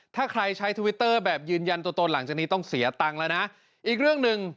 ถ้าใครใช้ทวิตเตอร์แบบยืนยันตัวตนหลังจากนี้ต้องเสียตังค์แล้วนะอีกเรื่องหนึ่ง